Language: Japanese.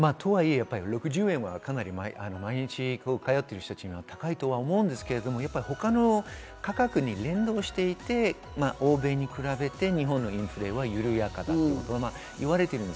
６０円はかなり毎日通っている人たちには高いと思いますけど、他の価格に連動していて、欧米に比べて日本のインフレは緩やかだということは言われています。